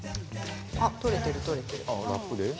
取れてる、取れてる。